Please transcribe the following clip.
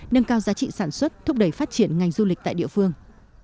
nâng cao giá trị sản xuất thúc đẩy phát triển ngành du lịch tại địa phương